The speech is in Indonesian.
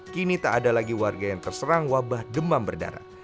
kini tak ada lagi warga yang terserang wabah demam berdarah